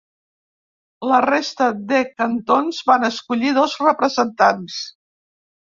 La resta de cantons van escollir dos representants.